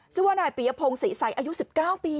ชื่อว่านายปียพงศรีใสอายุ๑๙ปี